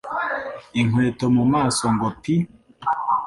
Inkweto mu maso ngo pi